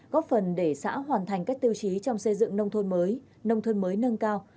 góp phần để xã hoàn thành các tiêu chí trong xây dựng nông thôn mới nông thôn mới nâng cao